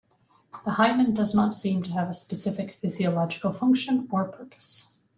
The hymen does not seem to have a specific physiological function or purpose.